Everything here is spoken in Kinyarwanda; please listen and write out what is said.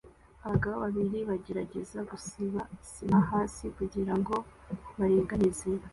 Abagabo babiri bagerageza gusiba sima hasi kugirango baringanize